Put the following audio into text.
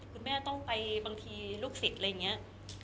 คุณแม่จะไปบางทีลูกศิษย์